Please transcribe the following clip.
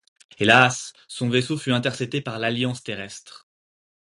Hélas, son vaisseau fut intercepté par l'Alliance Terrestre.